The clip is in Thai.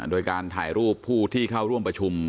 โดยการถ่ายรูปผู้ที่เข้าร่วมประชุม